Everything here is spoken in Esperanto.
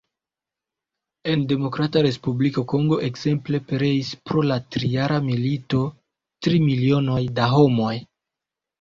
En Demokrata Respubliko Kongo, ekzemple, pereis pro la trijara milito tri milionoj da homoj.